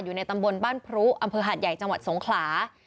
อยู่ในตำบลบ้านพรุอำเภอหาดใหญ่จังหวัดสงขลา